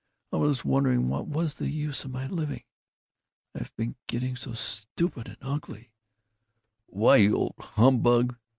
I was wondering what was the use of my living. I've been getting so stupid and ugly " "Why, you old humbug!